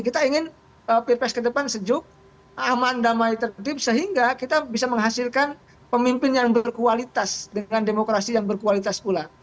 kita ingin pilpres ke depan sejuk aman damai tertib sehingga kita bisa menghasilkan pemimpin yang berkualitas dengan demokrasi yang berkualitas pula